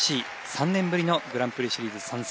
３年ぶりのグランプリシリーズ参戦。